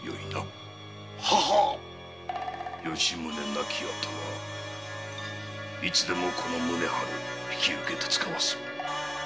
亡き後はいつでもこの宗春引き受けてつかわす。